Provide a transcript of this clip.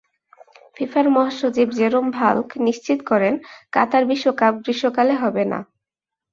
ফিফার মহাসচিব Jerome Valcke নিশ্চিত করেন, কাতার বিশ্বকাপ গ্রীষ্মকালে হবে না।